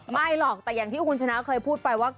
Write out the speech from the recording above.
ไม่หรอกแต่อย่างที่คุณชนะเคยพูดไปว่า